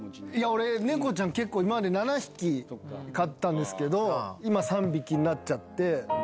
俺猫ちゃん今まで７匹飼ったんですけど今３匹になっちゃって。